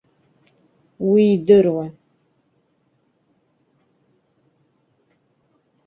Уи идыруан.